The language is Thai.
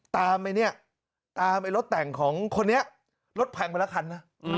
ตามไอ้เนี่ยตามไอ้รถแต่งของคนนี้รถแพงไปละคันนะ